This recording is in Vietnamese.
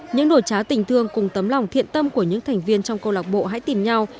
những đồ trá tình thương cùng tấm lòng thiện tâm của những thành viên trong câu lạc bộ hãy tìm nhau